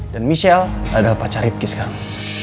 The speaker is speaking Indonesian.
dan michelle adalah pacar rifqi sekarang